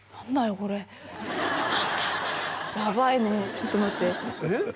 これやばいねちょっと待ってえっ？